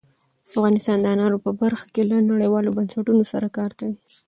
افغانستان د انارو په برخه کې له نړیوالو بنسټونو سره کار کوي.